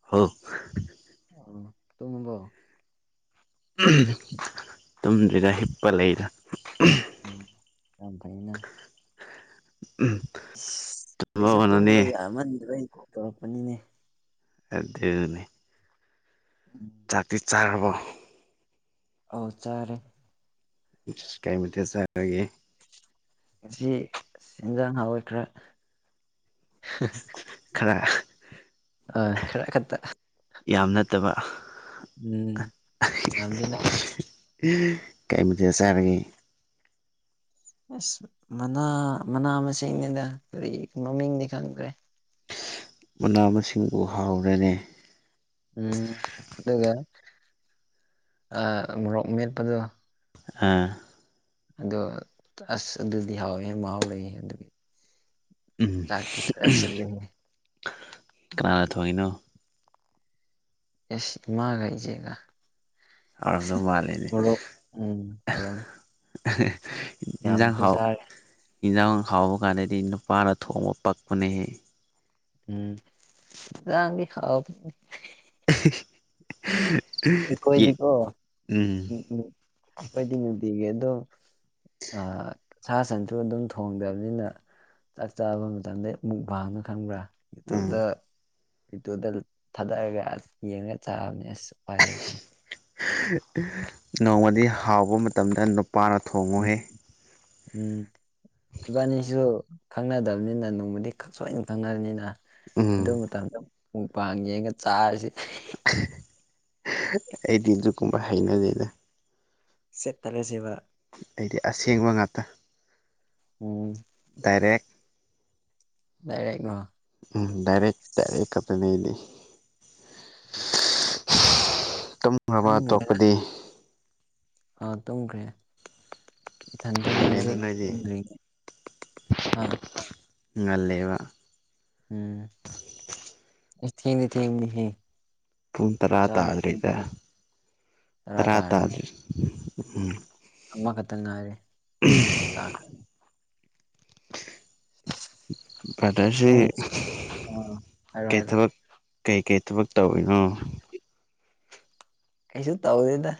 ꯍ ꯑꯣ ꯇꯨꯡꯝꯕꯣ ꯇꯨꯝꯗ꯭ꯗ ꯍꯤꯞꯄ ꯂꯩꯗ ꯎ ꯀ ꯐꯅ ꯑꯁ ꯑꯩꯁꯨ ꯇꯨꯝꯍꯧꯒꯅꯨꯅꯦ ꯇꯨꯝꯕ ꯌꯥꯃꯗ ꯑꯩꯅ ꯀꯣ ꯇꯧꯔꯛꯄꯅꯤꯅꯦ ꯑꯗꯨꯗꯅꯦ ꯎꯝ ꯖꯥꯇꯤ ꯆꯥꯔꯕ ꯑꯧ ꯆꯔꯦ ꯀꯥꯏꯃꯤꯇ ꯆꯔꯒꯦ ꯁꯤ ꯏꯦꯟꯖꯥꯡ ꯍꯥꯋꯏ ꯈꯔꯥ ꯈꯔ ꯑ ꯈꯔ ꯈꯛꯇ ꯌꯥꯝ ꯅꯠꯇꯕ ꯎꯝ ꯌꯥꯝꯗꯅ ꯀꯩꯃꯊꯗ ꯆꯥꯔꯒꯦ ꯑꯁ ꯃꯅꯥ ꯃꯅꯥ ꯃꯁꯤꯡꯅꯤꯅ ꯀꯔꯤ ꯃꯃꯤꯡꯗꯤ ꯈꯪꯗ꯭ꯔꯦ ꯃꯅꯥ ꯃꯁꯤꯡꯕꯨ ꯍꯥꯎꯔꯦ ꯎꯝ ꯑꯗꯨꯒ ꯃꯣꯔꯣꯛ ꯃꯦꯠꯄꯗꯣ ꯑ ꯑꯗꯣ ꯑꯁ ꯑꯗꯨꯗꯤ ꯍꯥꯎꯋꯦ ꯃꯍꯥꯎ ꯂꯩꯌꯦ ꯑꯗꯨꯒꯤ ꯎꯝ ꯆꯥꯛꯇꯤ ꯈꯔ ꯁꯤꯜꯂꯤꯅꯦ ꯀꯅꯥꯅ ꯊꯣꯡꯏꯤꯅꯣ ꯌꯦꯁ ꯏꯃꯥꯒ ꯏꯖꯦꯒ ꯍꯥꯎꯔꯝꯗꯧ ꯃꯥꯜꯂꯦꯅꯦ ꯎꯝ ꯑꯣꯏꯔꯃꯦ ꯍꯟꯖꯥꯡ ꯍꯥꯎ ꯏꯟꯖꯥꯡ ꯍꯥꯎꯕ ꯀꯥꯟꯗꯗꯤ ꯅꯨꯄꯥꯅ ꯊꯣꯡꯕ ꯄꯛꯄꯅꯦꯍꯦ ꯎꯝ ꯏꯟꯖꯥꯡꯗꯤ ꯍꯥꯎ [unintelligible] [unintelligible] ꯌꯦ ꯑꯩꯈꯣꯏꯗꯤꯀꯣ ꯎꯝ ꯅꯨ ꯅꯨ ꯑꯩꯈꯣꯏꯗꯤ ꯅꯨꯡꯇꯤꯒꯤ ꯑꯗꯣ ꯑ ꯁꯥ ꯁꯟꯁꯨ ꯑꯗꯨꯝ ꯊꯣꯡꯗꯕꯅꯤꯅ ꯆꯥꯛ ꯆꯥꯕ ꯃꯇꯝꯗꯩ ꯃꯨꯛꯕꯥꯡꯅꯤ ꯈꯪꯕ꯭ꯔꯥ ꯎꯝ ꯌꯨꯇꯨꯕꯇ ꯌꯨꯇꯨꯕꯇ ꯊꯥꯗꯔꯒ ꯑꯁ ꯌꯦꯡꯉꯒ ꯆꯥꯕꯅꯦ ꯑꯁ ꯎꯄꯥꯏ ꯂꯩꯇꯦ ꯅꯣꯡꯃꯗꯤ ꯍꯥꯎꯕ ꯃꯇꯝꯗ ꯅꯨꯄꯥꯅ ꯎꯝ ꯊꯣꯡꯉꯣꯍꯦ ꯎꯝ ꯏꯕꯥꯅꯤꯁꯨ ꯈꯪꯅꯗꯕꯅꯤꯅ ꯅꯣꯡꯃꯗꯤ ꯁꯣꯏꯅ ꯈꯪꯅꯒꯅꯤꯅ ꯑꯗꯨ ꯎꯝ ꯃꯇꯝꯗ ꯃꯨꯛꯄꯥꯡ ꯌꯦꯡꯉ ꯆꯥꯔꯁꯤ ꯑꯩꯗꯤ ꯑꯒꯨꯝꯕ ꯍꯩꯅꯗꯦꯗ ꯁꯦꯠ ꯇꯜꯂꯦꯁꯤꯕ ꯑꯩꯗꯤ ꯑꯁꯦꯡꯕ ꯉꯥꯛꯇ ꯎꯝ ꯗꯥꯏꯔꯦꯛ ꯗꯥꯏꯔꯦꯛꯔꯣ ꯎꯝ ꯗꯥꯏꯔꯦꯛ ꯗꯥꯏꯔꯦꯛ ꯈꯛꯇꯅꯦ ꯑꯩꯗꯤ ꯎꯝ ꯇꯨꯝꯔꯕ ꯈꯪꯗ꯭ꯔꯦꯗ ꯇꯣꯛꯄꯗꯤ ꯑꯥ ꯇꯨꯝꯈ꯭ꯔꯦ ꯏꯊꯟꯗꯅꯦ ꯉꯜꯂꯦꯅ ꯍꯧꯖꯤꯛ ꯅꯣꯏꯗꯤ ꯇꯨꯝꯗ꯭ꯔꯤ ꯍꯥ ꯉꯜꯂꯦꯕ ꯎꯝ ꯑꯩ ꯊꯦꯡꯗꯤ ꯊꯦꯡꯕꯅꯤꯍꯦ ꯄꯨꯡ ꯇꯔꯥ ꯇꯥꯗ꯭ꯔꯤꯗ ꯇꯔꯥ ꯇꯥꯗ꯭ꯔꯤ ꯎꯝ ꯑꯃꯈꯛꯇ ꯉꯥꯏꯔꯦ ꯇꯥꯛ ꯄꯥꯔꯗꯔꯁꯤ ꯁ꯭ꯀꯨꯜ ꯑꯥ ꯍꯥꯏꯔꯣ ꯀꯩ ꯍꯥꯏꯔꯣ ꯇꯕꯛ ꯀꯩꯀꯩ ꯊꯕꯛ ꯇꯧꯔꯤꯅꯣ ꯀꯩꯁꯨ ꯇꯧꯗꯦꯗ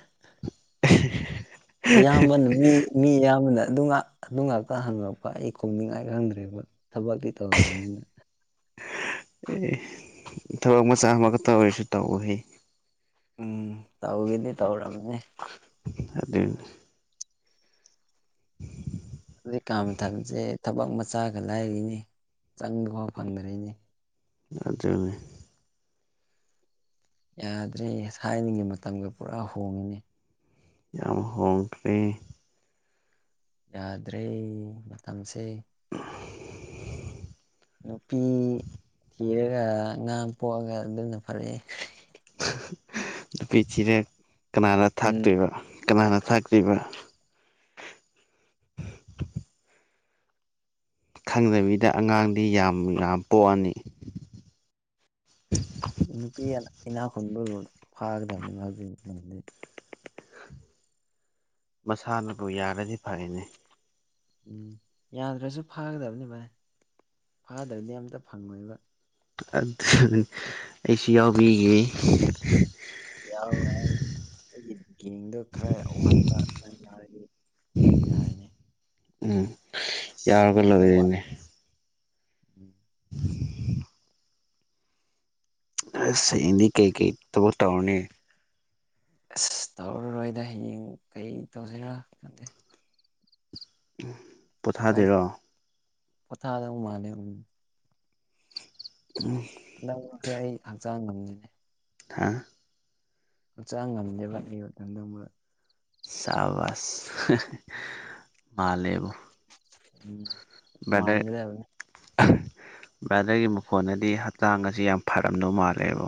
[unintelligible] ꯑꯌꯥꯝꯕꯅ ꯃꯤ ꯃꯤ ꯑꯌꯥꯝꯕꯅ ꯑꯗꯨ ꯉꯥꯛ ꯑꯗꯨ ꯉꯥꯛꯇ ꯍꯪꯉꯛꯄ ꯑꯩ ꯈꯨꯝꯅꯤꯡꯉꯥꯏ ꯈꯪꯗ꯭ꯔꯦꯕ ꯊꯕꯛꯇꯤ ꯇꯧꯗꯕꯅꯤꯅ ꯑꯦ ꯊꯕꯛ ꯃꯆꯥ ꯑꯃꯒ ꯇꯧꯔꯤꯁꯦ ꯇꯧꯍꯦ ꯎꯝ ꯇꯧꯒꯦꯗꯤ ꯇꯧꯔꯝꯅꯦ ꯑꯗꯨꯅꯤ ꯍꯧꯖꯤꯛꯀꯥ ꯃꯇꯝꯁꯦ ꯊꯕꯛ ꯃꯆ ꯆꯥꯒ ꯂꯥꯏꯔꯤꯅꯤ ꯆꯪꯕꯐꯥꯎ ꯐꯪꯗꯔꯦꯅꯦ ꯑꯗꯨꯅꯦ ꯌꯥꯗ꯭ꯔꯦ ꯊꯥꯏꯅꯒꯤ ꯃꯇꯝꯒ ꯄꯨꯔꯥ ꯍꯣꯡꯉꯤꯅꯦ ꯌꯥꯝ ꯍꯣꯡꯈ꯭ꯔꯦ ꯌꯥꯗ꯭ꯔꯦ ꯃꯇꯝꯁꯦ ꯅꯨꯄꯤ ꯊꯤꯔꯒ ꯑꯉꯥꯡ ꯄꯣꯛꯑꯒ ꯑꯗꯨꯅ ꯐꯔꯦ ꯅꯨꯄꯤ ꯊꯤꯔꯦꯛ ꯀꯅꯥꯅ ꯎꯝ ꯊꯥꯛꯇꯣꯏꯕ ꯀꯅꯥꯅ ꯊꯥꯛꯇꯣꯏꯕ ꯈꯪꯗꯕꯤꯗ ꯑꯉꯥꯡꯗꯤ ꯌꯥꯝ ꯌꯥꯝ ꯄꯣꯛꯑꯅꯤ ꯅꯨꯄꯤ ꯏ ꯏꯅꯥꯛ ꯈꯨꯨꯟꯕꯕꯨ ꯐꯥꯒꯗꯕꯅꯤ [unintelligible] ꯃꯁꯥꯅꯕꯨ ꯌꯥꯔꯗꯤ ꯐꯩꯅꯦ ꯎꯝ ꯌꯥꯗ꯭ꯔꯁꯨ ꯐꯥꯒꯗꯕꯅꯤ ꯕꯥꯏ ꯐꯥꯗ꯭ꯔꯗꯤ ꯑꯝꯇ ꯐꯪꯉꯣꯏꯕ ꯑꯗꯨꯗꯤ ꯑꯩꯁꯨ ꯌꯥꯎꯕꯤꯒꯧ ꯌꯥꯎꯑꯣ ꯑꯩꯒꯤ ꯕꯤꯅꯤꯡꯗꯣ ꯈꯔ ꯋꯥꯠꯄ ꯉꯟꯔꯗꯤ ꯌꯥꯔꯤꯅꯤ ꯎꯝ ꯌꯥꯎꯒꯂꯔ ꯈꯔ ꯏꯅꯦ ꯋꯥꯠꯂꯤ ꯎꯝ [unintelligible] ꯑꯁꯗꯤ ꯀꯩꯀꯩ ꯊꯕꯛ ꯇꯧꯔꯅꯤ ꯑꯁ ꯇꯧꯔꯔꯣꯏꯗ ꯍꯌꯦꯡ ꯀꯩ ꯇꯧꯁꯤꯔꯥ ꯈꯟꯗꯦ ꯎ ꯄꯣꯊꯥꯗꯔꯣ ꯄꯣꯊꯥꯗ ꯃꯥꯅꯦ ꯎ ꯎꯝ ꯅꯁꯦ ꯑꯩ ꯍꯛꯆꯥꯡ ꯉꯝꯅꯤꯅꯦ ꯊꯥ ꯃꯆꯥ ꯉꯝꯗꯦꯕꯠꯂꯤ ꯃꯇꯝꯗ ꯑꯃꯨꯛ ꯁꯕꯁ ꯃꯥꯂꯦꯕꯣ ꯎꯝ ꯃꯥꯡꯒꯗꯕꯅꯦ ꯕ꯭ꯔꯥꯗꯔꯒꯤ ꯃꯈꯣꯟꯅꯗꯤ ꯍꯆꯥꯡ ꯑꯁꯤ ꯌꯥꯝ ꯐꯔꯝꯗꯧ ꯃꯥꯜꯂꯦꯕꯣ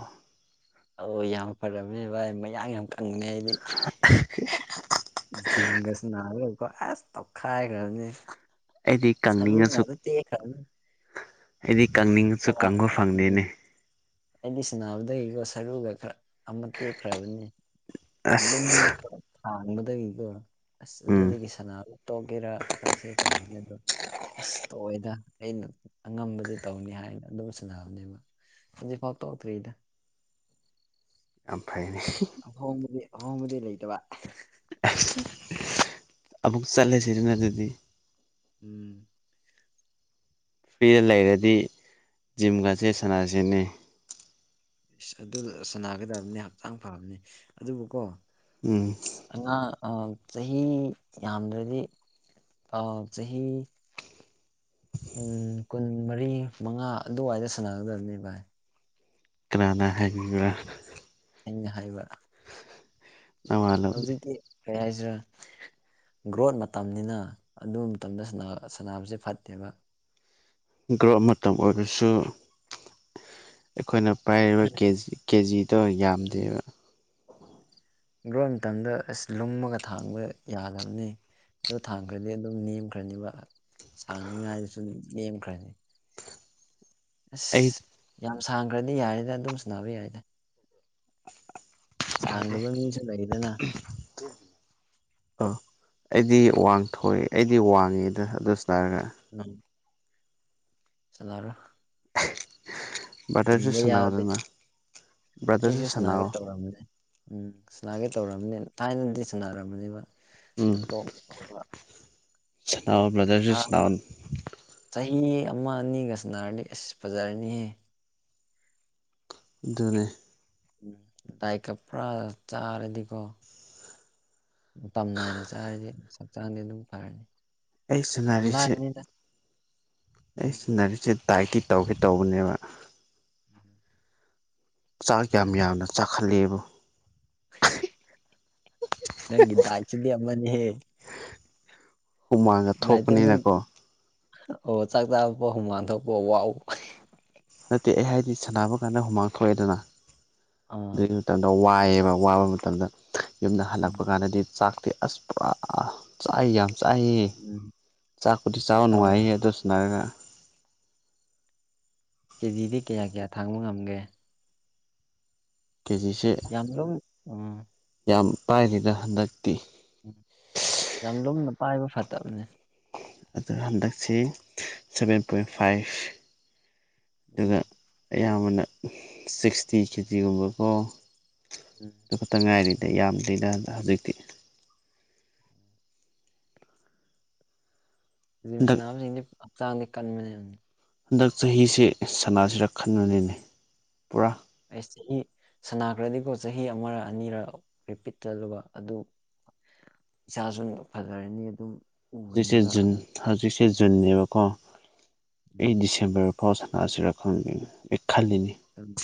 ꯑꯣ ꯌꯥꯝ ꯐꯔꯝꯃꯦ ꯚꯥꯏ ꯃꯌꯥꯡ ꯌꯥꯝ ꯀꯪꯉꯩ [unintelligible] ꯖꯤꯝꯒꯁ ꯅꯥꯔꯀꯣ ꯑꯁ ꯇꯧꯈꯥꯏꯈ꯭ꯔꯕꯅꯤ ꯑꯩꯗꯤ ꯁꯔꯨ ꯀꯪꯅꯤꯡꯉꯁꯨ ꯉꯗ ꯇ ꯈꯔꯅꯤ ꯑꯩꯗꯤ ꯀꯪꯅꯤꯡꯉꯁꯨ ꯀꯥꯡꯕꯨ ꯎꯝ ꯐꯪꯗꯦꯅꯦ ꯑꯩꯗꯤ ꯁꯅꯕꯗꯒꯤꯀꯣ ꯁꯔꯨꯒ ꯈꯔ ꯑꯃ ꯇꯦꯛꯈ꯭ꯔꯕꯅꯤ ꯂꯨꯝꯕ ꯑꯁ ꯈꯔ ꯊꯥꯡꯕꯗꯒꯤꯀꯣ ꯑꯁ ꯎꯝ ꯑꯗꯨꯗꯒꯤ ꯁꯔ ꯇꯣꯛꯒꯦꯔꯥ ꯄꯥꯎꯁꯦ ꯇꯧꯒꯅꯦ ꯑꯗ ꯑꯁ ꯇꯧꯑꯣꯏꯗ ꯑꯩꯅ ꯑꯉꯝꯕꯗꯤ ꯇꯧꯅꯤ ꯍꯥꯏ ꯑꯩꯅ ꯑꯗꯨꯝ ꯁꯟꯅꯕꯅꯦꯕ ꯍꯧꯖꯤꯛꯐꯥꯎ ꯇꯣꯛꯇ꯭ꯔꯤꯗ ꯌꯥꯝ ꯐꯩꯑꯅꯦ ꯑꯍꯣꯡꯕꯗꯤ ꯑꯍꯣꯡꯕꯗꯤ ꯂꯩꯇꯕ ꯑꯃꯨꯛ ꯆꯠꯂꯦꯁꯤꯗꯅ ꯑꯗꯨꯗꯤ ꯎꯝ ꯄꯦꯜ ꯂꯩꯔꯗꯤ ꯖꯤꯝꯒꯁꯦ ꯁꯥꯟꯅꯔꯁꯤꯅꯤ ꯑꯗꯨ ꯁꯅꯥꯒꯗꯕꯅꯤ ꯍꯛꯆꯥꯡ ꯐꯕꯅꯤ ꯑꯗꯨꯕꯨ ꯀꯣ ꯎꯝ ꯑꯉꯥꯡ ꯑ ꯆꯍꯤ ꯌꯥꯝꯗ꯭ꯔꯗꯤ ꯑ ꯆꯍꯤ ꯎꯝ ꯀꯨꯟ ꯃꯔꯤ ꯃꯉꯥ ꯑꯗꯨꯋꯥꯏꯗ ꯁꯥꯟꯅꯒꯗꯕꯅꯤ ꯚꯥꯏ ꯀꯅꯥꯅ ꯍꯥꯏꯌꯕꯤꯕ꯭ꯔꯥ ꯑꯩꯅ ꯍꯥꯏꯕ ꯅꯋꯥꯂꯧꯗꯦ ꯍꯧꯖꯤꯛꯇꯤ ꯀꯩ ꯍꯥꯏꯁꯤꯔꯦ ꯒ꯭ꯔꯣꯠ ꯃꯇꯝꯅꯤꯅ ꯑꯗꯨ ꯃꯇꯝꯗ ꯁꯅꯥꯁꯦ ꯐꯠꯇꯦꯕ ꯒ꯭ꯔꯣꯠ ꯃꯇꯝ ꯑꯣꯏꯔꯁꯨ ꯑꯩꯈꯣꯏꯅ ꯄꯥꯏꯔꯤꯕ ꯀꯦꯖꯤ ꯀꯦꯖꯤꯗꯣ ꯌꯥꯝꯗꯦꯕ ꯒꯣꯔ ꯃꯇꯝꯗ ꯑꯁ ꯂꯨꯝꯃꯒ ꯊꯥꯡꯕ ꯌꯥꯗꯕꯅꯤ ꯑꯗꯨ ꯊꯥꯡꯈ꯭ꯔꯗꯤ ꯑꯗꯨꯝ ꯅꯦꯝꯈ꯭ꯔꯅꯦꯕ ꯁꯥꯡꯅꯤꯉꯥꯏꯗꯨꯁꯨ ꯅꯦꯝꯈ꯭ꯔꯅꯤ ꯑꯩꯠ ꯑꯁ ꯌꯥꯝ ꯁꯥꯡꯈ꯭ꯔꯗꯤ ꯌꯥꯔꯦꯗ ꯑꯗꯨꯝ ꯏꯁꯅꯕ ꯌꯥꯏꯗ ꯍꯥꯏꯕ꯭ꯔꯣ ꯁꯥꯡꯗꯕ ꯃꯤꯁꯨ ꯂꯩꯗꯅ ꯑ ꯑꯩꯗꯤ ꯋꯥꯡꯊꯣꯏ ꯑꯩꯗꯤ ꯋꯥꯡꯉꯦꯗ ꯑꯗꯨ ꯏꯁꯔꯒ ꯎꯝ ꯁꯅꯔꯣ ꯕ꯭ꯔꯗꯔꯁꯨ ꯃꯤꯌꯗꯦ ꯁꯥꯟꯅꯧꯗꯅ ꯑꯩꯁꯨ ꯕ꯭ꯔꯗꯔꯁꯨ ꯑꯁꯅꯥꯒ ꯁꯥꯟꯅꯧ ꯇꯧꯔꯝꯕꯅꯦ ꯎꯝ ꯁꯅꯥꯒꯦ ꯇꯧꯔꯝꯃꯦ ꯊꯥꯏꯅꯗꯤ ꯁꯥꯟꯅꯔꯝꯕꯅꯦꯕ ꯎꯝ ꯇꯣꯛꯈꯔꯕ ꯁꯥꯟꯅꯧ ꯕ꯭ꯔꯗꯔꯁꯨ ꯊꯥ ꯑꯃ ꯁꯥꯟꯅꯧ ꯆꯍꯤ ꯑꯃ ꯑꯅꯤꯒ ꯁꯟꯅꯔꯅꯤ ꯑꯁ ꯐꯖꯔꯅꯤꯍꯦ ꯑꯗꯨꯅꯤ ꯗꯥꯏꯀ ꯐꯥꯔꯥ ꯆꯥꯔꯗꯤꯀꯣ ꯃꯇꯝ ꯅꯥꯏꯅ ꯆꯥꯔꯗꯤ ꯍꯛꯆꯥꯡꯗꯤ ꯑꯗꯨꯝ ꯐꯔꯅꯤ ꯑꯩ ꯌꯥꯝ ꯁꯥꯟꯅꯔꯤꯁꯦ ꯂꯥꯏꯕꯅꯤꯗ ꯑꯩ ꯎꯝ ꯁꯤꯟꯅꯔꯤꯁꯦ ꯗꯥꯏꯀꯤ ꯇꯧꯒꯦ ꯇꯧꯕꯅꯦꯕ [inaudible] ꯆꯥꯛ ꯌꯥꯝ ꯌꯥꯝꯅ ꯆꯥꯛꯈꯠꯂꯦꯕ ꯅꯪꯒꯤ ꯗꯥꯏꯠꯁꯤꯗꯤ ꯑꯃꯅꯦꯍꯦ ꯍꯨꯃꯥꯡꯒ ꯗꯥꯏꯠꯇꯤ ꯑꯗꯨꯝ ꯊꯣꯛꯄꯅꯤꯅꯀꯣ ꯑꯣ ꯆꯥꯛ ꯆꯥꯕ ꯍꯨꯃꯥꯟ ꯊꯣꯛꯄ ꯋꯥꯎ ꯅꯠꯇꯦ ꯑꯩ ꯍꯥꯏꯗꯤ ꯁꯥꯟꯅꯕ ꯀꯥꯟꯗ ꯍꯨꯃꯥꯡ ꯊꯣꯛꯑꯦꯗꯅ ꯑꯥ ꯑꯗꯨ ꯃꯇꯝꯗ ꯋꯥꯏꯑꯦꯕ ꯋꯥꯕ ꯃꯇꯝꯗ ꯌꯨꯝꯗ ꯎꯝ ꯍꯜꯂꯛꯄ ꯀꯥꯟꯗꯗꯤ ꯆꯥꯛꯇꯤ ꯑꯁ ꯄꯨꯔꯥ ꯆꯥꯏ ꯌꯥꯝ ꯆꯥꯏꯌꯦ ꯎꯝ ꯆꯥꯛꯄꯨꯗꯤ ꯆꯥꯕ ꯑꯥ ꯅꯨꯡꯉꯥꯏꯌꯦ ꯑꯗꯨ ꯁꯟꯅꯔꯒ ꯀꯦꯖꯤꯗꯤ ꯀꯌꯥ ꯀꯌꯥ ꯊꯥꯡꯕ ꯉꯝꯒꯦ ꯀꯦꯖꯤꯁꯤ ꯌꯥꯝ ꯂꯨꯝ ꯎꯝ ꯌꯥꯝ ꯄꯥꯏꯔꯤꯗ ꯍꯟꯗꯛꯇꯤ ꯎꯝ ꯌꯥꯝ ꯂꯨꯝꯅ ꯄꯥꯏꯕ ꯐꯠꯇꯕꯅꯦ ꯑꯗꯨ ꯍꯟꯗꯛꯁꯤ ꯁꯚꯦꯟ ꯄꯣꯏꯟ ꯐꯥꯏꯐ ꯎꯝ ꯑꯌꯥꯝꯕꯅ ꯁꯤꯛꯁꯇꯤ ꯀꯦꯖꯤꯒꯨꯝꯕꯀꯣ ꯎꯝ ꯑꯗꯨ ꯈꯛꯇ ꯉꯥꯏꯔꯤꯗ ꯌꯥꯝꯗꯔꯤꯗ ꯍꯧꯖꯤꯛꯇꯤ ꯖꯤꯝ ꯍꯟꯗꯛ ꯁꯟꯅꯥꯕꯁꯤꯡꯗꯤ ꯍꯛꯆꯥꯡꯗꯤ ꯀꯟꯕꯅꯦ ꯍꯟꯗꯛ ꯆꯍꯤꯁꯤ ꯁꯅꯥꯁꯤꯔ ꯈꯟꯕꯅꯤꯅꯦ ꯄꯨꯔꯥ ꯑꯦꯁ ꯁꯅꯥꯈ꯭ꯔꯗꯤꯀꯣ ꯆꯍꯤ ꯑꯃꯔ ꯑꯅꯤꯔ ꯔꯤꯄꯤꯠ ꯆꯠꯂꯨꯕ ꯑꯗꯨ ꯏꯁꯥꯁꯨ ꯐꯖꯔꯅꯤ ꯑꯗꯨꯝ ꯍꯧꯖꯤꯛꯁꯦ ꯎꯔꯅꯤꯕ ꯖꯨꯟ ꯑꯗꯨ ꯍꯧꯖꯤꯛꯁꯦ ꯎꯝ ꯖꯨꯟꯅꯦꯕꯀꯣ ꯑꯩ ꯎꯝ ꯗꯤꯁꯦꯝꯕꯔ ꯑꯣ ꯁꯅꯥꯁꯤꯔ ꯈꯪꯗꯦ ꯑꯩ ꯈꯜꯂꯤꯅꯤ ꯑꯝ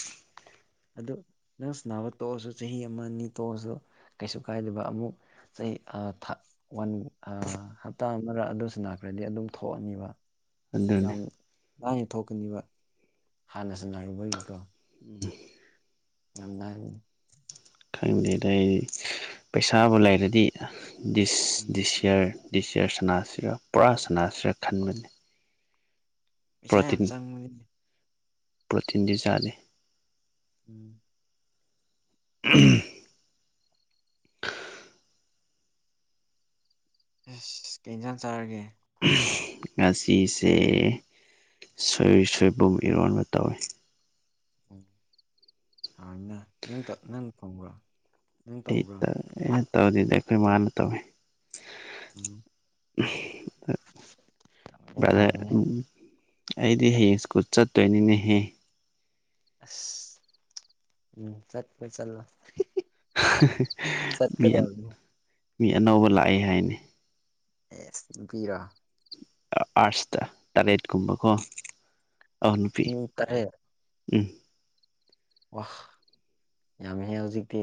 ꯑꯗꯨ ꯅꯪ ꯁꯟꯅꯕ ꯇꯣꯛꯑꯁꯨ ꯆꯍꯤ ꯑꯃ ꯑꯅꯤ ꯇꯣꯛꯑꯁꯨ ꯀꯩꯁꯨ ꯀꯥꯏꯗꯕ ꯑꯃꯨꯛ ꯆꯍꯤ ꯑꯥ ꯊꯥ ꯋꯥꯟ ꯑꯥ ꯍꯞꯇꯥ ꯑꯃꯔ ꯑꯗꯨ ꯁꯟꯅꯥꯈ꯭ꯔꯗꯤ ꯑꯗꯨꯝ ꯊꯣꯛꯑꯅꯤꯕ ꯑꯗꯨꯅꯤ ꯌꯥꯝ ꯂꯥꯏꯅ ꯊꯣꯛꯀꯅꯤꯕ ꯍꯥꯟꯅ ꯁꯥꯟꯅꯔꯨꯕꯒꯤꯀꯣ [inaudible] [inaudible] ꯈꯪꯗꯦꯗ ꯑꯩ ꯄꯩꯁꯥꯕꯨ ꯂꯩꯔꯗꯤ ꯗꯤꯁ-ꯗꯤꯁ ꯏꯌꯔ ꯗꯤꯁꯌꯔ ꯁꯅꯥꯁꯤꫪ ꯄꯨꯔꯥ ꯁꯅꯥꯁꯤꫪ ꯈꯟꯕꯅꯤ ꯄꯩꯁꯥ ꯌꯥꯝ ꯄ꯭ꯔꯣꯇꯤꯟ ꯆꯪꯕꯅꯤ ꯄ꯭ꯔꯣꯇꯤꯟꯗꯤ ꯆꯥꯗꯦ ꯎꯝ [unintelligible] ꯑꯁ ꯀꯩ ꯏꯟꯖꯥꯡ ꯆꯥꯔꯒꯦ ꯉꯥꯁꯤꯁꯦ ꯁꯣꯏꯁꯣꯏꯕꯨꯝ ꯏꯔꯣꯟꯕ ꯇꯧꯋꯤ ꯎꯝ ꯍꯥꯎꯅ ꯅꯪ ꯅꯪ [unintelligible] ꯅꯪ ꯇꯧꯕ꯭ꯔꯣ ꯍ ꯇ ꯇꯧꯗꯤꯗ ꯑꯈꯣꯏ ꯃꯥꯅ ꯇꯧꯋꯦ ꯎꯝ ꯐꯔꯦ ꯕꯔꯥꯗꯔ ꯐꯔꯦꯅꯦ ꯑꯩꯗꯤ ꯍꯌꯦꯡ ꯁ꯭ꯀꯨꯜ ꯆꯠꯇꯣꯏꯅꯤꯅꯦꯍꯦ ꯑꯁ ꯎꯝ ꯆꯠꯄ ꯆꯠꯂꯣ ꯃꯤ ꯆꯠꯀꯗꯕꯅꯤ ꯃꯤ ꯑꯅꯧꯕ ꯂꯥꯛꯏ ꯍꯥꯏꯅꯤ ꯑꯦꯁ ꯅꯨꯄꯤꯔꯣ ꯑꯥꯔꯁꯇ ꯇꯂꯦꯠꯀꯨꯝꯕꯀꯣ ꯑꯎ ꯅꯨꯄꯤ ꯃꯤ ꯇꯔꯦꯠ ꯎꯝ ꯋꯥ ꯌꯥꯝꯃꯤꯍꯦ ꯍꯧꯖꯤꯛꯇꯤ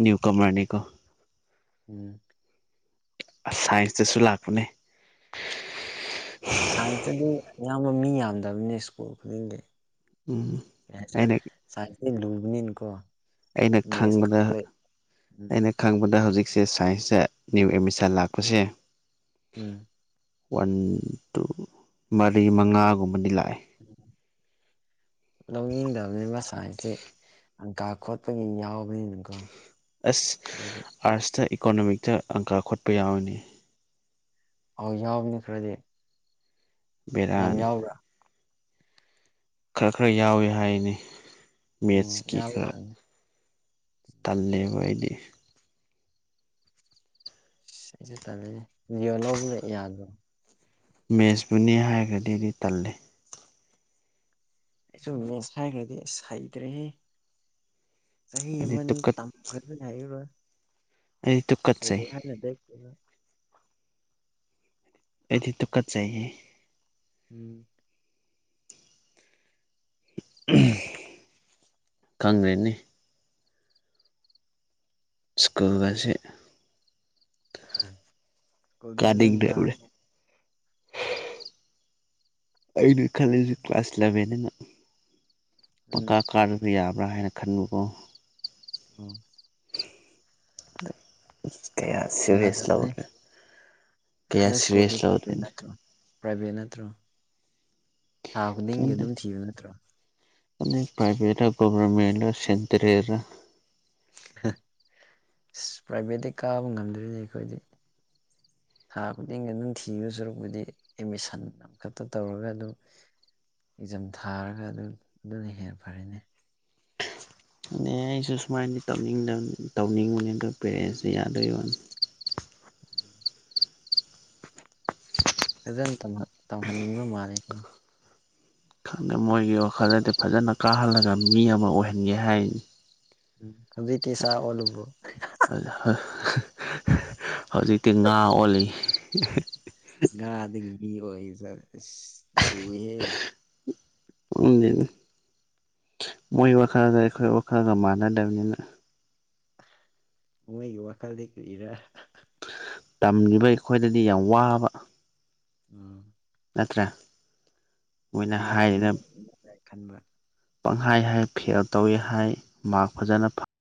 ꯅꯤꯌꯨ ꯀꯃꯔꯅꯤꯀꯣ ꯎꯝ ꯑꯁ ꯁꯥꯏꯟꯁꯇꯁꯨ ꯂꯥꯛꯄꯅꯦ ꯁꯥꯏꯟꯁꯇꯗꯤ ꯑꯌꯥꯝꯕ ꯃꯤ ꯌꯥꯝꯗꯕꯅꯦ ꯁ꯭ꯀꯨꯜ ꯈꯨꯗꯤꯡꯒꯤ ꯎꯝ ꯀꯩ ꯍꯥꯏꯁꯤꯔ ꯑꯩꯅ ꯁꯥꯏꯟꯁꯇꯤ ꯂꯨꯕꯅꯤꯅꯀꯣ ꯑꯩꯅ ꯃꯦꯠꯁ ꯈꯪꯕꯗ ꯀꯥꯜꯀꯨꯂꯦꯠ ꯎꯝ ꯑꯩꯅ ꯈꯪꯕꯗ ꯍꯧꯖꯤꯛꯁꯦ ꯁꯥꯏꯟꯁꯁꯦ ꯅꯤꯌꯨ ꯑꯦꯗꯃꯤꯁꯟ ꯂꯥꯛꯄꯁꯦ ꯎꯝ ꯋꯥꯟ ꯇꯨ ꯃꯔꯤ ꯃꯉꯥꯒꯨꯝꯕꯗꯤ ꯂꯥꯛꯑꯦ ꯂꯧꯅꯤꯡꯗꯕꯅꯦꯕ ꯁꯥꯏꯟꯁꯁꯦ ꯑꯪꯀꯥ ꯈꯣꯠꯄꯒꯤ ꯌꯥꯎꯕꯅꯤꯅꯀꯣ ꯑꯁ ꯑꯗꯨꯒꯤ ꯑꯥꯔꯠꯁꯇ ꯏꯀꯣꯅꯣꯃꯤꯛꯇ ꯑꯪꯀꯥ ꯈꯣꯠꯄ ꯌꯥꯎꯋꯤꯅꯤ ꯑꯧ ꯌꯥꯎꯕꯅꯤ ꯈꯔꯗꯤ ꯌꯥꯝ ꯕꯦꯔꯥꯅꯤ ꯌꯥꯎꯕ꯭ꯔꯥ ꯈꯔ ꯈꯔ ꯌꯥꯎꯋꯤ ꯍꯥꯏꯅꯤ ꯑꯣ ꯃꯦꯠꯁꯀꯤ ꯈꯔ ꯌꯥꯎꯒꯗꯕꯅꯦ ꯇꯜꯂꯦꯕ ꯑꯩꯗꯤ ꯁꯤꯁꯨ ꯇꯜꯂꯦ ꯕꯨꯗꯤꯑꯣ ꯂꯧꯕꯥ ꯌꯗꯔꯣ ꯃꯦꯠꯁꯄꯨꯅꯤ ꯍꯥꯏꯔꯒꯗꯤꯗꯤ ꯑꯩꯗꯤ ꯇꯜꯂꯤ ꯑꯩꯁꯨ ꯃꯦꯁ ꯍꯥꯏꯈ꯭ꯔꯗꯤ ꯍꯩꯇ꯭ꯔꯦꯍꯦ ꯆꯍꯤ ꯑꯩꯗꯤ ꯑꯃꯅꯤ ꯇꯨꯀꯠ ꯑꯗꯨ ꯌꯥꯏꯕ [unintelligible] ꯑꯩ ꯇꯨꯀꯠ ꯍꯥꯏ ꯑꯩꯗꯤ ꯇꯗꯨꯀꯠ ꯆꯩꯌꯦ ꯎꯝ ꯈꯪꯒ꯭ꯔꯦꯅꯤ ꯁ꯭ꯀꯨꯜꯒꯁꯤ ꯀꯨꯜꯗꯤ ꯐꯖꯟ ꯀꯥ ꯀꯥꯅꯤꯡꯗ꯭ꯔꯕꯅꯦ ꯑꯩꯅ ꯈꯜꯂꯤꯁꯦ ꯀ꯭ꯂꯥꯁ ꯏꯂꯚꯦꯟ ꯑꯩꯅ ꯄꯀꯥ ꯎꯝ ꯀꯥꯔ ꯌꯥꯕ꯭ꯔꯥ ꯍꯥꯏꯅ ꯈꯟꯕꯀꯣ ꯎꯝ ꯀꯩꯌꯥ ꯁꯤꯚꯦꯁ ꯌꯥꯗꯕꯅꯦ ꯂꯧꯅꯦ ꯀꯌꯥ ꯅꯣꯏ ꯁ꯭ꯀꯨꯜꯗꯤ ꯄ꯭ꯔꯥꯏꯚꯦꯠ ꯁꯤꯔꯤꯁꯂꯗꯅꯤ ꯅꯠꯇ꯭ꯔꯣ ꯄ꯭ꯔꯥꯏꯚꯦꯠ ꯅꯠꯇ꯭ꯔꯣ ꯊꯥ ꯈꯨꯗꯤꯡꯒꯤ ꯑꯗꯨꯝ ꯊꯤꯕ ꯅꯠꯇ꯭ꯔꯣ ꯑ ꯄꯥꯏꯚꯦꯠꯔ ꯒꯚꯔꯃꯦꯟꯠ ꯁꯦꯟꯇꯔꯔ ꯄ꯭ꯔꯥꯏꯚꯦꯠꯇꯤ ꯀꯥꯕ ꯉꯝꯗ꯭ꯔꯤꯅꯦ ꯑꯩꯈꯣꯏꯗꯤ ꯊꯥ ꯈꯨꯗꯤꯡꯒꯤ ꯑꯗꯨꯝ ꯊꯤꯕ ꯁꯨꯔꯛꯄꯨꯗꯤ ꯑꯦꯠꯃꯤꯁꯟ ꯑꯃꯈꯛꯇ ꯇꯧꯔꯒ ꯑꯗꯨꯝ ꯑꯦꯛꯖꯥꯝ ꯊꯥꯔꯒ ꯑꯗꯨ ꯑꯗꯨꯅ ꯍꯦꯟꯅ ꯐꯔꯤꯅꯦ ꯑꯦ ꯑꯩꯁꯨ ꯁꯨꯃꯥꯏꯅꯗꯤ ꯇꯧꯅꯤꯡꯗꯕ ꯇꯧꯅꯤꯡꯕꯅꯤ ꯑꯗ ꯄꯦꯔꯦꯟꯁꯇ ꯌꯥꯗꯣꯏ ꯋꯥꯅꯤ ꯎꯝ ꯐꯖꯅ ꯇꯝꯍꯟꯅꯤꯡꯕ ꯃꯥꯜꯂꯤꯀꯣ ꯈꯪꯗꯦ ꯃꯣꯏꯒꯤ ꯋꯥꯈꯜꯗꯗꯤ ꯐꯖꯅ ꯀꯥꯍꯜꯂꯒ ꯃꯤ ꯑꯃ ꯑꯣꯏꯍꯟꯒꯦ ꯍꯥꯏꯅꯤ ꯎꯝ ꯊꯝꯖꯤꯇꯦ ꯁꯥ ꯑꯣꯂꯨꯕꯨ ꯍꯧꯖꯤꯛꯇꯤ ꯉꯥ ꯑꯣꯜꯂꯤ ꯉꯗꯕꯤ ꯑꯣꯏꯁ ꯂꯨꯍꯦ ꯃꯣꯏ ꯋꯥꯈꯜꯒ ꯑꯩꯈꯣꯏ ꯋꯥꯈꯜꯒ ꯃꯥꯟꯅꯗꯕꯅꯤꯅ ꯎꯉꯒꯤ ꯋꯥ ꯀꯜꯗ ꯀꯔ ꯇꯝꯂꯤꯕ ꯑꯩꯈꯣꯏꯗꯗꯤ ꯌꯥꯝ ꯋꯥꯕ ꯎꯝ ꯅꯠꯇ꯭ꯔ ꯃꯥꯅꯦ ꯈꯟꯕ ꯄꯪꯍꯥꯏ ꯍꯥꯏ ꯐꯦꯜ ꯇꯧꯏꯤ ꯍꯥꯏ ꯃꯥꯔꯛ ꯐꯖꯅ ꯐ